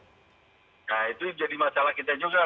nah itu jadi masalah kita juga